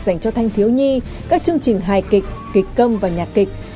dành cho thanh thiếu nhi các chương trình hài kịch kịch công và nhạc kịch